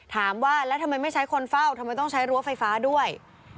ถามว่าแล้วทำไมไม่ใช้คนเฝ้าทำไมต้องใช้รั้วไฟฟ้าด้วย